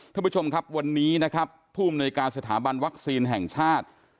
ท่านผู้ชมครับวันนี้นะครับผู้อำนวยการสถาบันวัคซีนแห่งชาติ